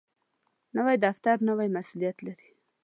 نوی دفتر نوی مسؤولیت لري